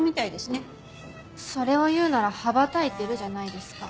それを言うなら「羽ばたいてる」じゃないですか？